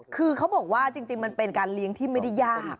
คือเขาบอกว่าจริงมันเป็นการเลี้ยงที่ไม่ได้ยาก